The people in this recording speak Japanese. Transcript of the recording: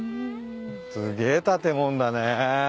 すげえ建物だね。